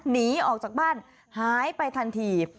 หนีออกจากบ้านหายไปทันที